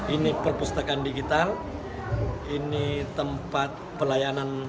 ini perpustakaan digital ini tempat pelayanan